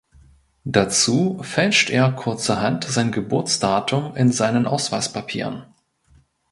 Dazu fälscht er kurzerhand sein Geburtsdatum in seinen Ausweispapieren.